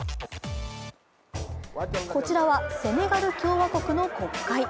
こちらはセネガル共和国の国会。